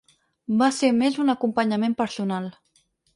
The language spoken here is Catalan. Va ser més un acompanyament personal.